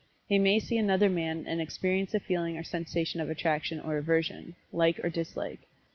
He may see another man and experience a feeling or sensation of attraction or aversion like or dislike.